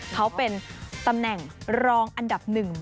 เขาเป็นตำแหน่งรองอันดับหนึ่ง